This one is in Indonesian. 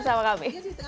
iya sih tetap